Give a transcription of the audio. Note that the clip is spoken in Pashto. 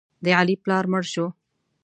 د علي پلار مړ شو.